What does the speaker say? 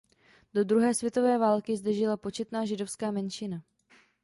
Do Druhé světové války zde žila početná židovská menšina.